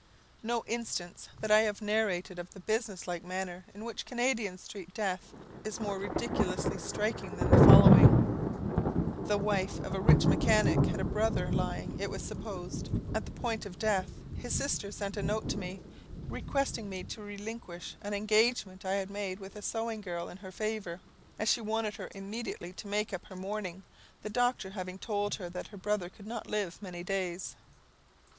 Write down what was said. No instance that I have narrated of the business like manner in which Canadians treat death, is more ridiculously striking than the following: The wife of a rich mechanic had a brother lying, it was supposed, at the point of death. His sister sent a note to me, requesting me to relinquish an engagement I had made with a sewing girl in her favour, as she wanted her immediately to make up her mourning, the doctor having told her that her brother could not live many days.